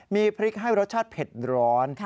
มีพริกให้รสชาติเผ็ดร้อน